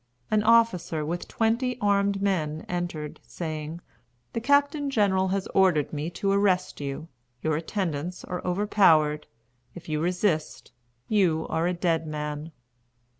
An officer with twenty armed men entered, saying: "The Captain General has ordered me to arrest you. Your attendants are overpowered. If you resist, you are a dead man."